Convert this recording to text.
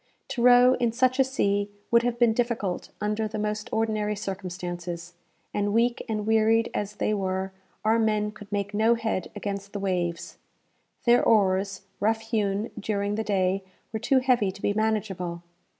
To row in such a sea would have been difficult under the most ordinary circumstances; and, weak and wearied as they were, our men could make no head against the waves. Their oars, rough hewn during the day, were too heavy to be manageable.